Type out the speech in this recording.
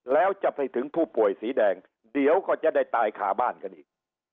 แล้วจะไปถึงผู้ป่วยสีแดงเดี๋ยวก็จะได้ตายคาบ้านกันอีก